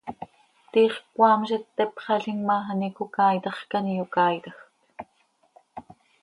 Tiix cmaam z itteepxalim ma, an icocaaitax quih an iyocaaitajc.